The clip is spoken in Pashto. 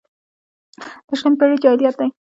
د شلمې پېړۍ جاهلیت ده.